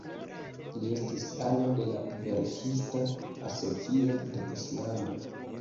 Li estis ano de la verkista asocio de Islando.